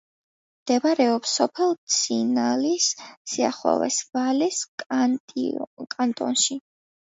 მდებარეობს სოფელ ცინალის სიახლოვეს, ვალეს კანტონში.